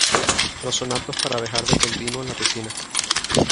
No son aptos para dejar de continuo en la piscina.